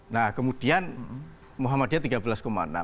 nah kemudian muhammadiyah tiga belas enam